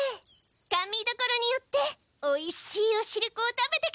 かんみどころに寄っておいしいおしるこを食べて帰りましょう。